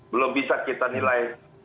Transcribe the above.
belum bisa kita nilai